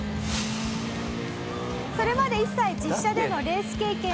それまで一切実車でのレース経験はなし！